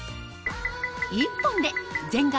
１本で全顔